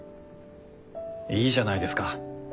いいじゃないですか。